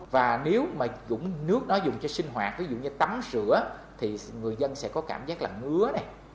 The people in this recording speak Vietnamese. và nếu mà nước đó dùng cho sinh hoạt ví dụ như tắm rửa thì người dân sẽ có cảm giác là ngứa này